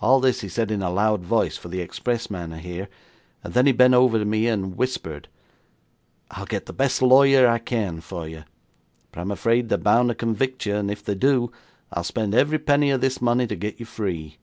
'All this he said in a loud voice, for the expressman to hear, then he bent over to me and whispered: '"I'll get the best lawyer I can for you, but I'm afraid they're bound to convict you, and if they do, I will spend every penny of this money to get you free.